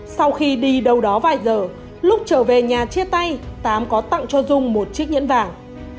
sau khi đi đâu đó vài giờ lúc trở về nhà chia tay tám có tặng cho dung một chiếc nhẫn vàng